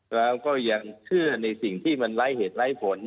เราก็ยังเชื่อในสิ่งที่มันไร้เหตุไร้ผล